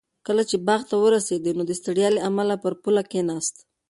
کله چې باغ ته ورسېد نو د ستړیا له امله پر پوله کېناست.